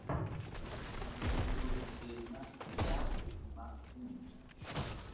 Kumbululo lipema lia kuhuma uli.